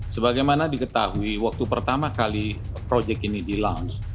sebagaimana diketahui waktu pertama kali project ini di launch